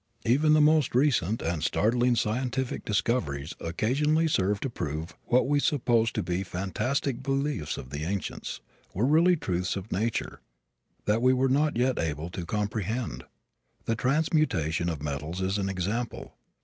Even the most recent and startling scientific discoveries occasionally serve to prove that what we supposed to be the fantastic beliefs of the ancients were really truths of nature that we were not yet able to comprehend! The transmutation of metals is an example.